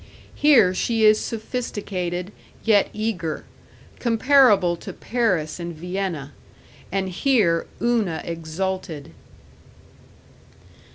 Here she is sophisticated, yet eager, comparable to Paris and Vienna; and here Una exulted.